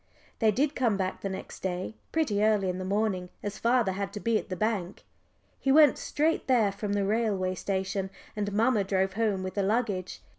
They did come back the next day, pretty early in the morning, as father had to be at the bank. He went straight there from the railway station, and mamma drove home with the luggage.